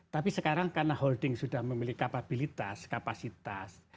tapi sekarang karena holding sudah memiliki kapabilitas kapasitas